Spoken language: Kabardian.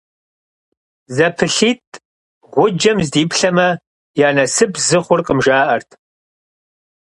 ЗэпылъитӀ гъуджэм зэдиплъэмэ, я насып зы хъуркъым, жаӀэрт.